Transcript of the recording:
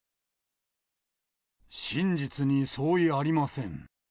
真実に相違ありません。